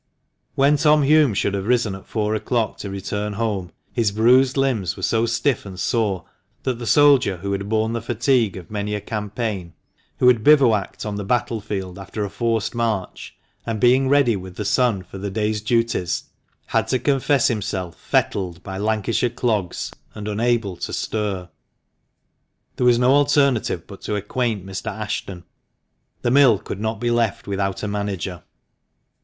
When Tom Hulme should have risen at four o'clock to return home, his bruised limbs were so stiff and sore that the soldier, who had borne the fatigue of many a campaign, who had bivouacked on the battle field, after a forced march, and being ready with the sun for the day's duties, had to confess himself " fettled " by Lancashire clogs, and unable to stir. There was no alternative but to acquaint Mr. Ashton. The mill could not be left without a manager.